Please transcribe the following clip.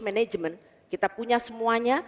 management kita punya semuanya